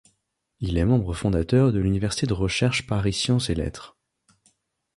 Il est membre fondateur de l'Université de recherche Paris Sciences et Lettres.